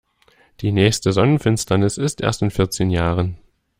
Die nächste Sonnenfinsternis ist erst in vierzehn Jahren.